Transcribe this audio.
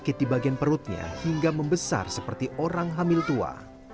sakit di bagian perutnya hingga membesar seperti orang hamil tua